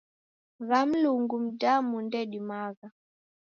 Gha Mlungu mdamu ndedimagha